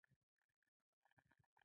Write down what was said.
د سیاحت لپاره یې ټاپوګان جنت ښکاري.